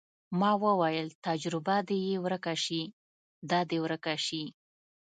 ما وويل تجربه دې يې ورکه سي دا دې ورکه سي.